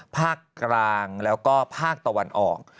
ภาคกลางแล้วก็ภาคตะวันออก